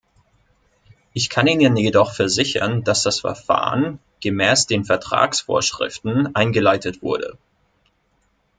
Ich kann Ihnen jedoch versichern, dass das Verfahren gemäß den Vertragsvorschriften eingeleitet wurde.